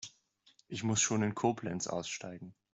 Ich muss schon in Koblenz aussteigen